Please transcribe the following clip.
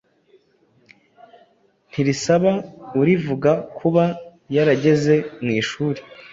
Ntirisaba urivuga kuba yarageze mu ishuri.